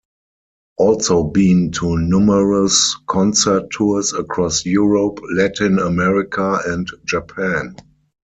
Also been to numerous concert tours across Europe, Latin America and Japan.